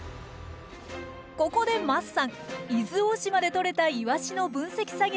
ここで桝さん伊豆大島でとれたイワシの分析作業をお手伝い。